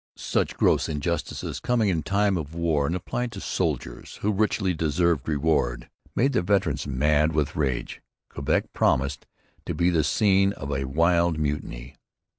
Such gross injustice, coming in time of war and applied to soldiers who richly deserved reward, made the veterans 'mad with rage.' Quebec promised to be the scene of a wild mutiny.